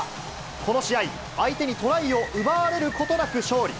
この試合、相手にトライを奪われることなく勝利。